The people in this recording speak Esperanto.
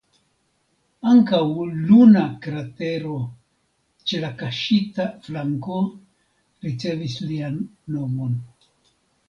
Ankaŭ luna kratero ĉe la kaŝita flanko ricevis lian nomon.